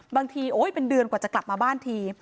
บางทีโอ๊ยเป็นเดือนกว่าจะกลับมาบ้านที